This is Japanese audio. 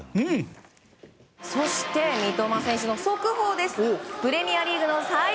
そして三笘選手の速報です。